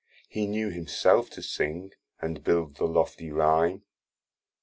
he knew Himself to sing, and build the lofty rhyme.